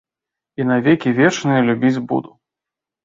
І на векі вечныя любіць буду.